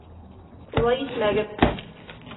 Улай итмәгеҙ!